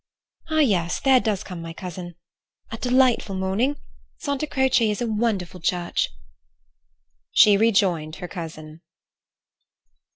Ah, yes! there does come my cousin. A delightful morning! Santa Croce is a wonderful church." She joined her cousin.